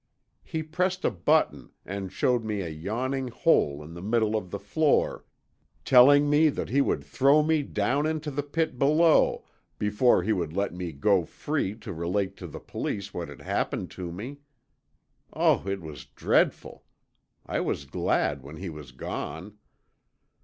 He pressed a button and showed me a yawning hole in the middle of the floor, telling me that he would throw me down into the pit below before he would let me go free to relate to the police what had happened to me. Oh, it was dreadful! I was glad when he was gone.